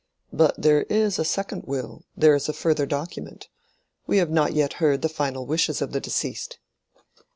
"But there is a second will—there is a further document. We have not yet heard the final wishes of the deceased."